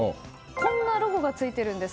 こんなロゴがついているんです。